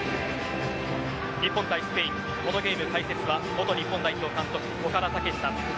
日本対スペインこのゲーム解説は元日本代表監督、岡田武史さん。